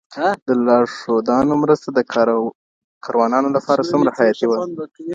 د لارښودانو مرسته د کاروانونو لپاره څومره حیاتي وه؟